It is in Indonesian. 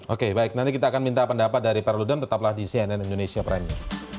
oke baik nanti kita akan minta pendapat dari perludem tetaplah di cnn indonesia prime news